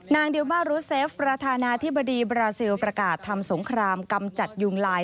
ดิวบารูสเซฟประธานาธิบดีบราซิลประกาศทำสงครามกำจัดยุงลาย